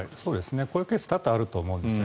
こういうケース多々あると思うんです。